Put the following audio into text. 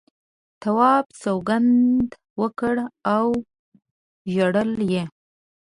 تواب سونگېدا وکړه او ژړل یې.